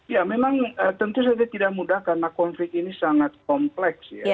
ya memang tentu saja tidak mudah karena konflik ini sangat kompleks ya